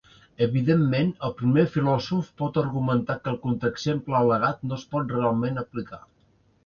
Evidentment, el primer filòsof pot argumentar que el contraexemple al·legat no es pot realment aplicar.